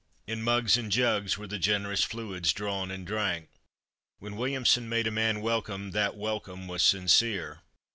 In mugs and jugs were the generous fluids drawn and drank. When Williamson made a man welcome that welcome was sincere.